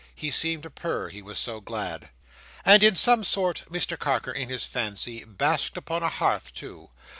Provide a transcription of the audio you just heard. He seemed to purr, he was so glad. And in some sort, Mr Carker, in his fancy, basked upon a hearth too.